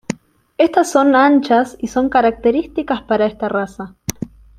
Estas son anchas y son características para esta raza.